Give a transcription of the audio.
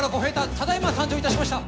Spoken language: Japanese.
ただいま参上いたしました。